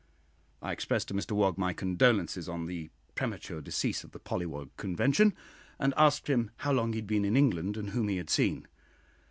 I expressed to Mr Wog my condolences on the premature decease of the Pollywog Convention, and asked him how long he had been in England, and whom he had seen.